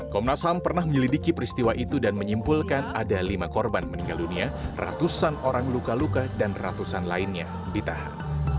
komnas ham pernah menyelidiki peristiwa itu dan menyimpulkan ada lima korban meninggal dunia ratusan orang luka luka dan ratusan lainnya ditahan